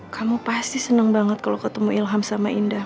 kamu pasti senang banget kalau ketemu ilham sama indah